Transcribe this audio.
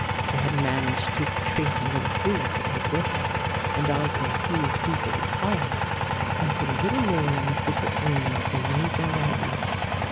They had managed to secrete a little food to take with them and also a few pieces of firewood, and put a little more in the secret room as they made their way out.